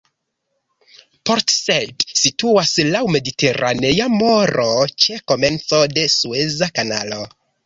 Port Said situas laŭ Mediteranea Maro ĉe komenco de Sueza Kanalo.